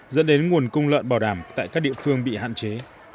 dẫn đến nguồn cung lợn bảo đảm tại các địa phương bị hạn chế